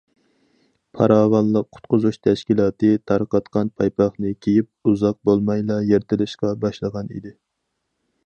پاراۋانلىق قۇتقۇزۇش تەشكىلاتى تارقاتقان پايپاقنى كىيىپ ئۇزاق بولمايلا يىرتىلىشقا باشلىغان ئىدى.